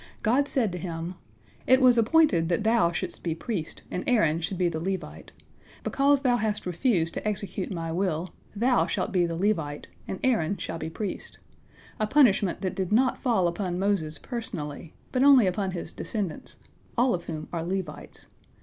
God said to him: "It was appointed that thou shouldst be priest, and Aaron should be the Levite. Because thou hast refused to execute My will, thou shalt be the Levite, and Aaron shall be priest,"—a punishment that did not fall upon Moses personally, but only upon his descendants, all of whom are Levites.